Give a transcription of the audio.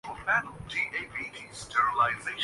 اس سارے عمل کو بھی سمجھنا ہو گا